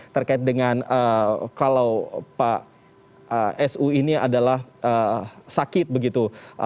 terkait dengan kalau pak su ini adalah sakit begitu